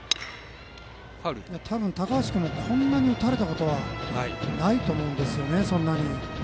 多分、高橋君がこんなに打たれたことはないと思いますね、そんなに。